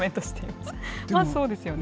まあ、そうですよね。